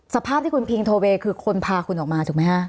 สภาพที่คุณพิงโทเวย์คือคนพาคุณออกมาถูกไหมฮะ